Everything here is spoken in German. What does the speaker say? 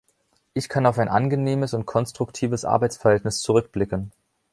Ich kann auf ein angenehmes und konstruktives Arbeitsverhältnis zurückblicken.